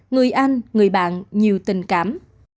người anh người bạn nhiều tình cảm